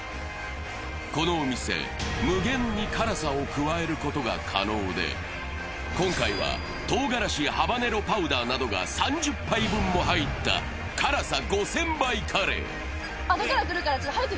このお店、無限に辛さを加えることが可能で、今回はとうがらし、ハバネロパウダーなどが３０杯分も入った辛さ５０００倍カレー。